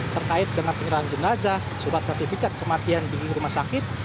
terkait dengan penyerahan jenazah surat sertifikat kematian di rumah sakit